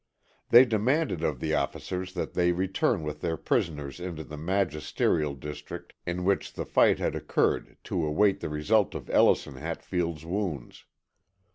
They demanded of the officers that they return with their prisoners into the magisterial district in which the fight had occurred to await the result of Ellison Hatfield's wounds.